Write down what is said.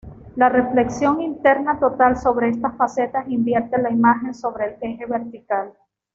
La reflexión interna total sobre estas facetas invierte la imagen sobre el eje vertical.